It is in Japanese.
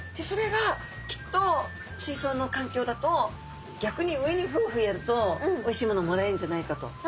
それがきっと水そうのかんきょうだと逆に上にフーフーやるとおいしいものもらえるんじゃないかと。